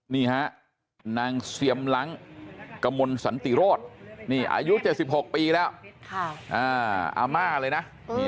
นี่ฮะนางเซียมหลังกมลสันติโรธนี่อายุ๗๖ปีแล้วอาม่าเลยนะ